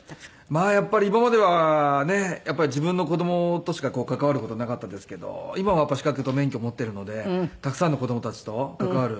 まあやっぱり今まではねっやっぱり自分の子供としか関わる事なかったですけど今は資格と免許持っているのでたくさんの子供たちと関わる。